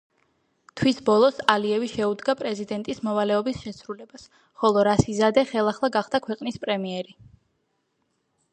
თვის ბოლოს, ალიევი შეუდგა პრეზიდენტის მოვალეობის შესრულებას, ხოლო რასიზადე, ხელახლა გახდა ქვეყნის პრემიერი.